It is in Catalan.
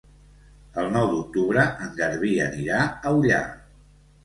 El nou d'octubre en Garbí anirà a Ullà.